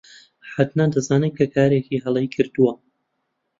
عەدنان دەزانێت کە کارێکی هەڵەی کردووە.